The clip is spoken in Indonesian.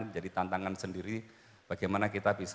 menjadi tantangan sendiri bagaimana kita bisa